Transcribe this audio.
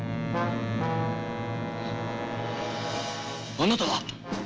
あなたは。